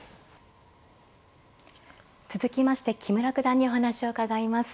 続きまして木村九段にお話を伺います。